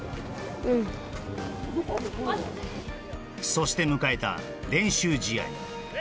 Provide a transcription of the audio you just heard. うんそして迎えた練習試合礼！